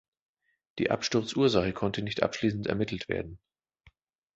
Die Absturzursache konnte nicht abschließend ermittelt werden.